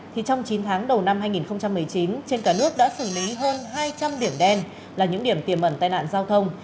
thì trong chín tháng đầu năm hai nghìn một mươi chín trên cả nước đã xử lý hơn hai trăm linh điểm đen là những điểm tiềm mẩn tai nạn giao thông